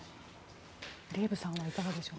デーブさんはいかがでしょう。